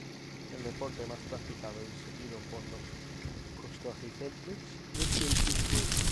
El deporte más practicado y seguido por los costarricenses es el fútbol.